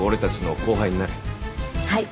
はい。